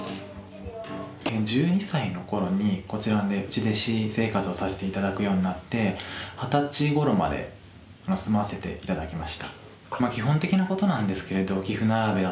１２歳のころにこちらで内弟子生活をさせて頂くようになって二十歳ごろまで住まわせて頂きました。